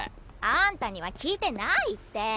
あんたには聞いてないって。